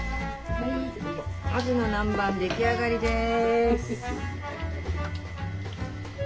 アジの南蛮出来上がりです！